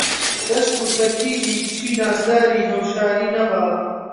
دەست و کەرکیتی کچی نازداری هەوشاری نەبا